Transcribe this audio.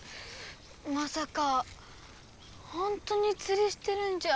まさかほんとにつりしてるんじゃ。